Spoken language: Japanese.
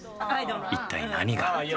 一体何が？